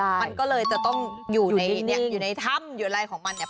มันก็เลยจะต้องอยู่ในอยู่ในถ้ำอยู่อะไรของมันเนี่ย